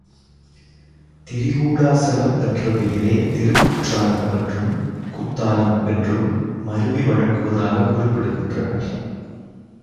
திரிகூடாசலம் என்ற பெயரே திருக்குற்றாலம் என்றும், குத்தாலம் என்றும் மருவி வழங்குவதாகக் குறிப்பிடுகின்றனர்.